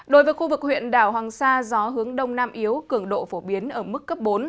đối với khu vực huyện đảo hoàng sa gió hướng đông nam yếu cường độ phổ biến ở mức cấp bốn